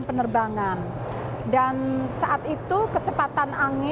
di google books ingat tidak ada ini